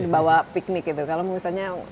bawa piknik itu kalau misalnya